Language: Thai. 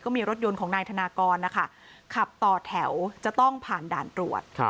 ก็มีรถยนต์ของทฆกรขับต่อแถวจะต้องผ่านด่านตรวจ